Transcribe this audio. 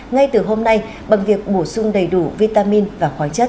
ngay từ hôm nay bằng việc bổ sung đầy đủ vitamin và khoáng chất